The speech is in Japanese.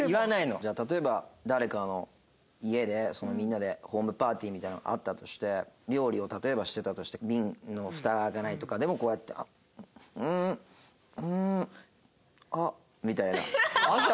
じゃあ例えば誰かの家でみんなでホームパーティーみたいなのがあったとして料理を例えばしてたとして瓶のフタが開かないとかでもこうやって「んんあっ」みたいな。